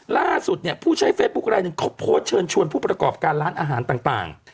ล่าสุดเนี่ยผู้ใช้เฟซบุ๊คไลนึงเขาโพสต์เชิญชวนผู้ประกอบการร้านอาหารต่าง